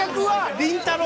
りんたろー。